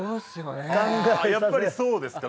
やっぱりそうですか。